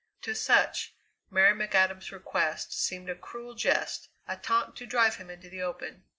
To such, Mary McAdam's request seemed a cruel jest, a taunt to drive him into the open.